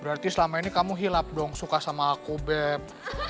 berarti selama ini kamu hilap dong suka sama kobeb